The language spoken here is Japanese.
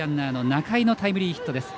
仲井のタイムリーヒットです。